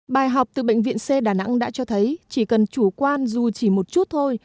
bài học từ bệnh viện c đà nẵng đã cho thấy chỉ cần chủ quan dù chỉ một chút thôi